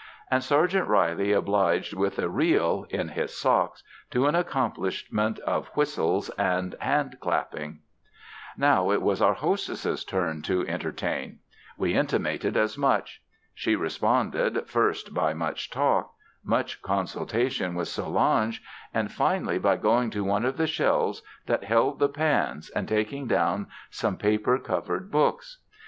And Sergeant Reilly obliged with a reel in his socks to an accomplishment of whistling and handclapping. Now, it was our hostess's turn to entertain. We intimated as much. She responded, first by much talk, much consultation with Solange, and finally by going to one of the shelves that held the pans and taking down some paper covered books.